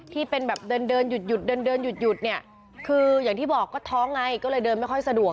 ที่เป็นแบบเดินเดินหยุดเดินเดินหยุดเนี่ยคืออย่างที่บอกก็ท้องไงก็เลยเดินไม่ค่อยสะดวก